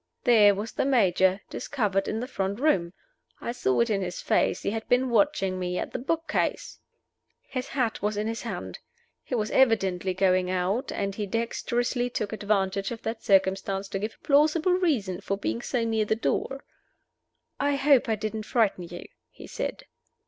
There was the Major, discovered in the front room! I saw it in his face he had been watching me at the book case! His hat was in his hand. He was evidently going out; and he dexterously took advantage of that circumstance to give a plausible reason for being so near the door. "I hope I didn't frighten you," he said.